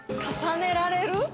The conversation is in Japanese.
重ねられる？